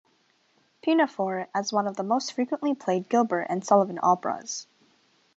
Pinafore as one of the most frequently played Gilbert and Sullivan operas.